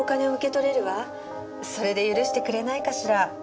それで許してくれないかしら？